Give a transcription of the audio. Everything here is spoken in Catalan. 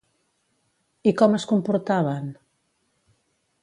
I com es comportaven?